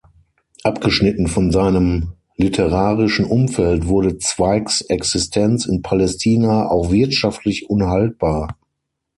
Abgeschnitten von seinem literarischen Umfeld wurde Zweigs Existenz in Palästina auch wirtschaftlich unhaltbar.